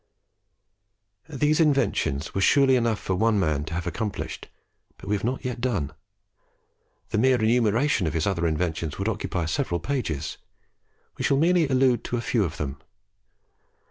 These inventions were surely enough for one man to have accomplished; but we have not yet done. The mere enumeration of his other inventions would occupy several pages. We shall merely allude to a few of them.